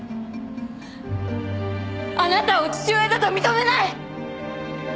あなたを父親だと認めない！